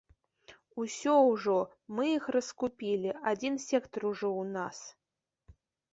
Усё ўжо, мы іх раскупілі, адзін сектар ужо ў нас!